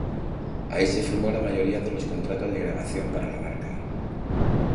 Ahí se firmó la mayoría de los contratos de grabación para la marca.